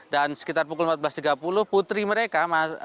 dan sekitar pukul empat belas tiga puluh putri mereka